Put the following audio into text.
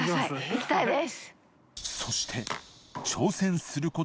いきたいです。